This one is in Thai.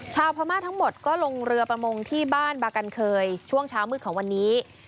ชาวพม่าทั้งหมดก็ลงเรือประมงที่บ้านบากันเคยช่วงเช้ามืดของวันนี้